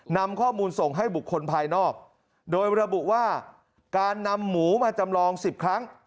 นำข้อมูลส่งให้บุคคลภายนอกโดยระบุว่าการนำหมูมาจำลอง๑๐ครั้ง